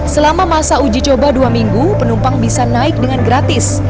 selama masa uji coba dua minggu penumpang bisa naik dengan gratis